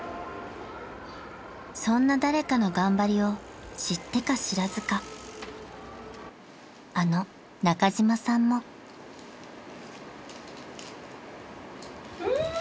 ［そんな誰かの頑張りを知ってか知らずかあの中島さんも］うーん！